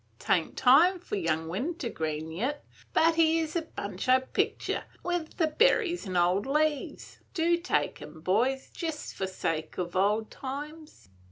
'T ain't time for young wintergreen yit, but here 's a bunch I picked yer, with the berries an' old leaves. Do take 'em, boys, jest for sake o' old times!"